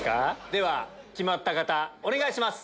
では決まった方お願いします。